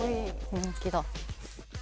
人気だ。